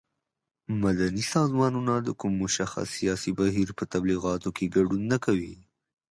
مدني سازمانونه د کوم مشخص سیاسي بهیر په تبلیغاتو کې ګډون نه کوي.